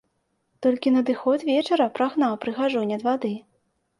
Толькі надыход вечара прагнаў прыгажунь ад вады.